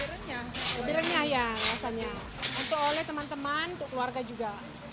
lebih renyah ya rasanya untuk oleh teman teman keluarga juga